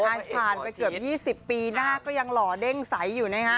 ผ่านไปเกือบ๒๐ปีหน้าก็ยังหล่อเด้งใสอยู่นะฮะ